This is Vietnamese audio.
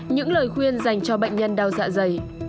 những lời khuyên dành cho bệnh nhân đau dạ dày